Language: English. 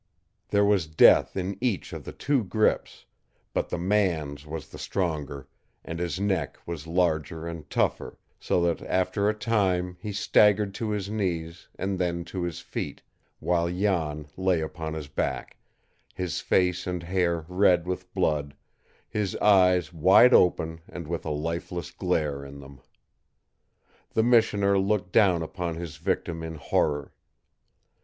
There was death in each of the two grips; but the man's was the stronger, and his neck was larger and tougher, so that after a time he staggered to his knees and then to his feet, while Jan lay upon his back, his face and hair red with blood, his eyes wide open and with a lifeless glare in them. The missioner looked down upon his victim in horror.